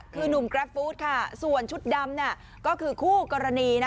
คือหนุ่มกราฟฟู้ดค่ะส่วนชุดดำก็คือคู่กรณี